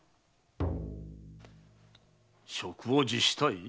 職を辞したい？